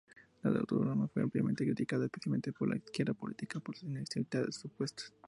El docudrama fue ampliamente criticada, especialmente por la izquierda política, por sus inexactitudes supuestas.